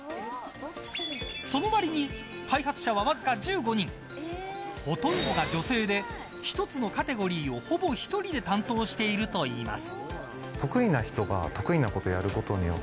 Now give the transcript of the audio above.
そのわりに開発者わずか１５人ほとんどが女性で１つのカテゴリーをほぼ１人で担当しているといいます。